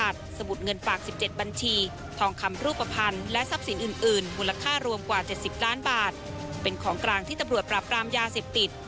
ประมาณ๗๐ล้านบาทเป็นของกลางที่ตบรวจปราบรามยาเสพติด